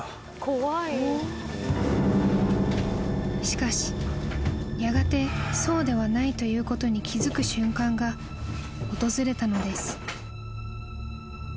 ［しかしやがてそうではないということに気付く瞬間が訪れたのです］